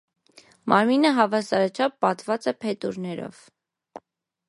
Մարմինը հավասարաչափ պատված է փետուրներով։